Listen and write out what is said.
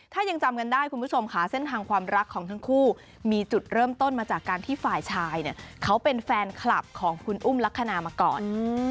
ถ้ายังจำกันได้คุณผู้ชมค่ะเส้นทางความรักของทั้งคู่มีจุดเริ่มต้นมาจากการที่ฝ่ายชายเนี่ยเขาเป็นแฟนคลับของคุณอุ้มลักษณะมาก่อน